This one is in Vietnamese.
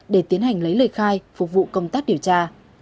để tiến hành lấy lời khai phục vụ công tác điều tra